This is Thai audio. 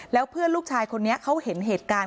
แล้วเพื่อนลูกชายคนนี้เขาเห็นเหตุการณ์